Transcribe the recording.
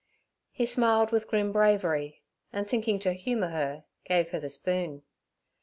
He smiled with grim bravery, and thinking to humour her, gave her the spoon.